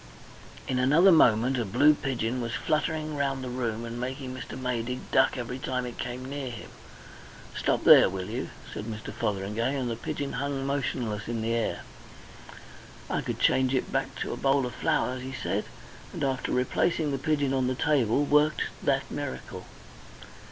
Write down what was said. In another moment a blue pigeon was fluttering round the room and making Mr. Maydig duck every time it came near him. "Stop there, will you?" said Mr. Fotheringay; and the pigeon hung motionless in the air. "I could change it back to a bowl of flowers," he said, and after replacing the pigeon on the table worked that miracle.